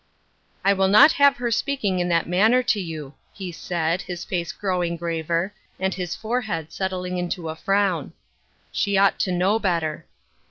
" I will not have her speaking in that mauner to you," he said, his face growing graver, and his forehead settling into a frown. " She ought to know better."